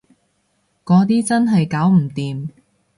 嗰啲真係搞唔掂